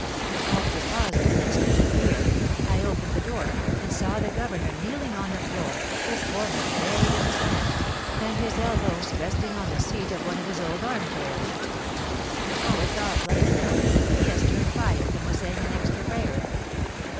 After pausing an instant in fear, I opened the door, and saw the governor kneeling on the floor, his forehead buried in his hands, and his elbows resting on the seat of one of his old armchairs." "Oh, it's all plain enough: he has turned pious, and was saying an extra prayer."